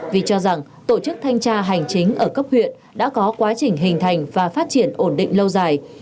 vì cho rằng tổ chức thanh tra hành chính ở cấp huyện đã có quá trình hình thành và phát triển ổn định lâu dài